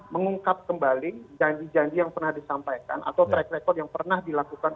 mengungkap kembali janji janji yang pernah disampaikan atau track record yang pernah dilakukan